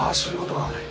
はい。